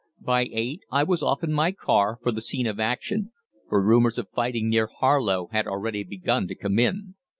By eight, I was off in my car for the scene of action, for rumours of fighting near Harlow had already begun to come in.